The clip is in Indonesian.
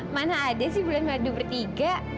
mana ada sih bulan madu bertiga